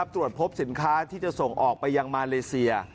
ตรวจพบสินค้าที่จะส่งออกไปยังมาเลเซีย